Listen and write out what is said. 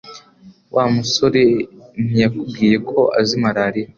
Wa musore ntiyakubwiye ko azi Mariya